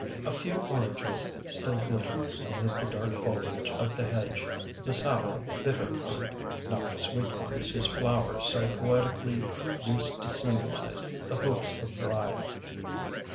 A few oranges still glittered amid the dark foliage of the hedge, the sour, bitter kind, not the sweet ones whose flowers so poetically used to symbolize the hopes of brides.